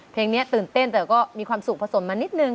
เพลงเราเป็นตื่นเต้นก็มีความสุขผสมมานิดนึง